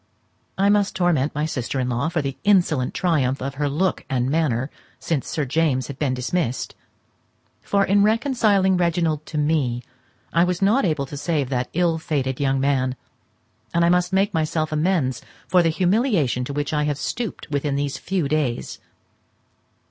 I must torment my sister in law for the insolent triumph of her look and manner since Sir James has been dismissed; for, in reconciling Reginald to me, I was not able to save that ill fated young man; and I must make myself amends for the humiliation to which I have stooped within these few days.